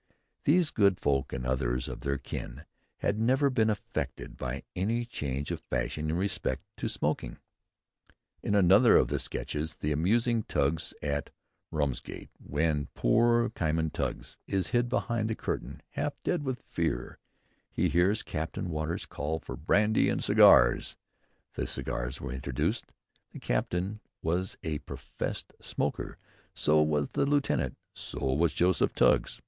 These good folk and others of their kin had never been affected by any change of fashion in respect of smoking. In another of the "Sketches," the amusing "Tuggs's at Ramsgate," when poor Cymon Tuggs is hid behind the curtain, half dead with fear, he hears Captain Waters call for brandy and cigars "The cigars were introduced; the captain was a professed smoker; so was the lieutenant; so was Joseph Tuggs."